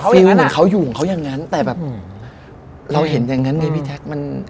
ฟิลเหมือนเขาอยู่ของเขาอย่างนั้นแต่แบบเราเห็นอย่างนั้นไงพี่แจ๊คมัน